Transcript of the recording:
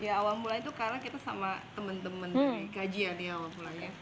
ya awal mulanya itu karena kita sama teman teman dari gajian ya awal mulanya